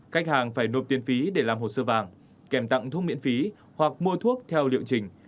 khách hàng phải nộp tiền phí để làm hồ sơ vàng kèm tặng thuốc miễn phí hoặc mua thuốc theo liệu trình